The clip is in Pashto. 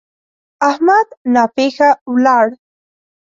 احمد ناپېښه ولاړ.